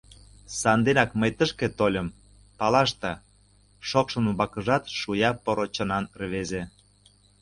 — Санденак мый тышке тольым — палашда, — шокшын умбакыжат шуя поро чонан рвезе.